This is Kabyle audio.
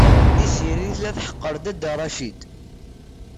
Tiziri tella teḥqer Dda Racid.